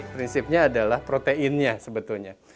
prinsipnya adalah proteinnya sebetulnya